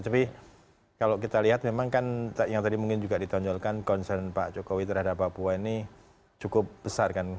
tapi kalau kita lihat memang kan yang tadi mungkin juga ditonjolkan concern pak jokowi terhadap papua ini cukup besar kan